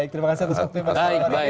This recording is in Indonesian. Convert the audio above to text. terima kasih pak